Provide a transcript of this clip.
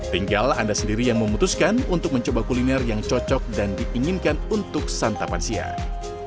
tinggal anda sendiri yang memutuskan untuk mencoba kuliner yang cocok dan diinginkan untuk santapan siang